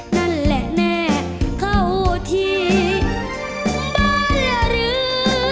นั่นแหละแน่เข้าที่บรรเรือน